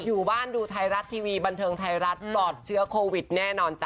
อยู่บ้านดูไทยรัฐทีวีบันเทิงไทยรัฐปลอดเชื้อโควิดแน่นอนจ้